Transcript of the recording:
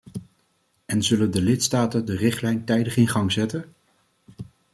En zullen de lidstaten de richtlijn tijdig in gang zetten?